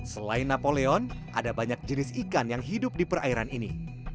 selain napoleon ada banyak jenis ikan yang hidup di perairan ini